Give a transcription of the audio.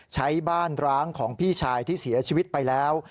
ใช้บ้านร้างของพี่ชายที่เสียชีวิตไปแล้ว